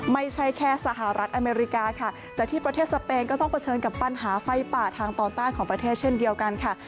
ไม่ใช่แค่สหรัฐอเมริกาค่ะแต่ที่ประเทศสเปนก็ต้องเผชิญกับปัญหาไฟป่าทางตอนใต้ของประเทศเช่นเดียวกันค่ะ